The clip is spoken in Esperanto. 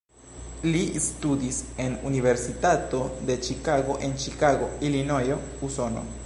Li studis en Universitato de Ĉikago en Ĉikago, Ilinojo, Usono.